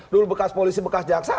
dulu bekas polisi bekas jaksa